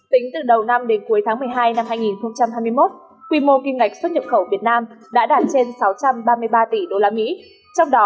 tính từ đầu năm đến cuối tháng một mươi hai năm hai nghìn hai mươi một quy mô kim ngạch xuất nhập khẩu việt nam đã đạt trên sáu trăm ba mươi ba tỷ usd